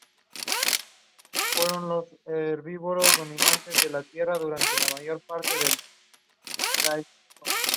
Otros sinónimos son sociedad agraria y sociedad premoderna, ambos derivados de Hegel y Marx.